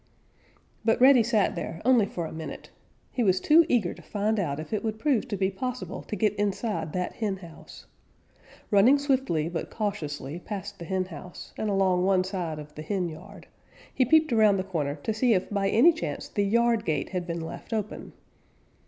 But Reddy sat there only for a minute. He was too eager to find out if it would prove to be possible to get inside that henhouse. Running swiftly but cautiously past the henhouse and along one side of the henyard, he peeped around the corner to see if by any chance the yard gate had been left open.